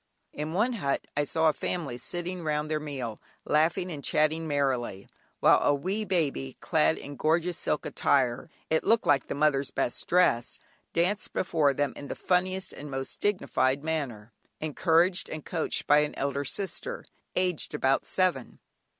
In one hut I saw a family sitting round their meal, laughing and chatting merrily, while a wee baby, clad in gorgeous silk attire (it looked like the mother's best dress) danced before them in the funniest and most dignified manner, encouraged and coached by an elder sister, aged about seven.